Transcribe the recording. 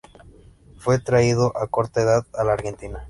Fue traído a corta edad a la Argentina.